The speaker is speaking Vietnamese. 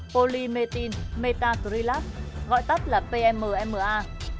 polymethyl metacrylate gọi tắt là pmma